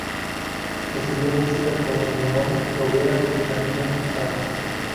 Estudió música con León Lobera y Damián Sanz.